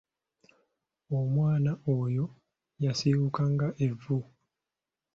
Omwana oyo yasiiwuuka nga Evvu.